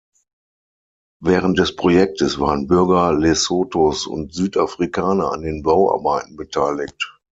Während des Projektes waren Bürger Lesothos und Südafrikaner an den Bauarbeiten beteiligt.